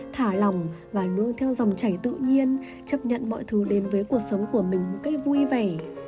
thả lòng và luôn theo dòng chảy tự nhiên chấp nhận mọi thứ đến với cuộc sống của mình một cách vui vẻ